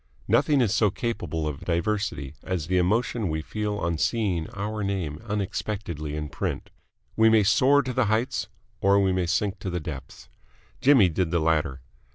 Nothing is so capable of diversity as the emotion we feel on seeing our name unexpectedly in print. We may soar to the heights or we may sink to the depths. Jimmy did the latter.